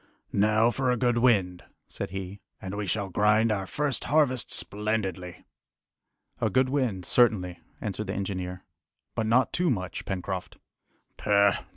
"Now for a good wind," said he, "and we shall grind our first harvest splendidly!" "A good wind, certainly," answered the engineer, "but not too much, Pencroft." "Pooh!